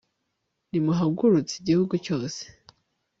nimuhagurutse igihugu cyose